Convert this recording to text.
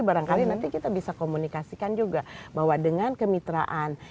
barangkali nanti kita bisa komunikasikan juga bahwa dengan kemitraan